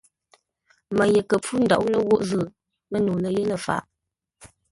Mə́ ye kə̂ mpfú ńdóʼó ləwoʼ zʉ́, Mə́nəu lə̂r yé lə̂ faʼ.